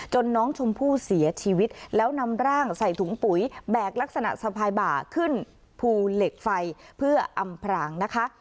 น้องชมพู่เสียชีวิตแล้วนำร่างใส่ถุงปุ๋ยแบกลักษณะสะพายบ่าขึ้นภูเหล็กไฟเพื่ออำพรางนะคะ